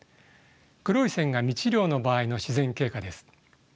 黒い線が未治療の場合の自然経過です。